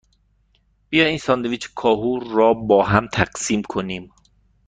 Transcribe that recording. بیا این ساندویچ کاهو را باهم تقسیم کنیم.